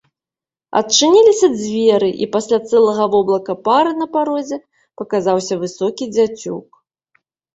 Адчыніліся дзверы, і пасля цэлага воблака пары на парозе паказаўся высокі дзяцюк.